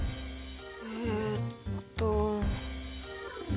えっと。